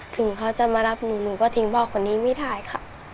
ถึงเขาจะมารับหนูหนูก็ทิ้งพ่อคนนี้ไม่ได้ค่ะ